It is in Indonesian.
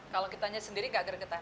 kalau kitanya sendiri gak gregetan